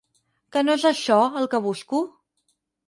¿Que no és això, el que busco?